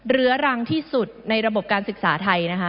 เรื้อรังที่สุดในระบบการศึกษาไทยนะคะ